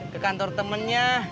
ke kantor temennya